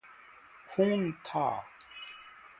खून था।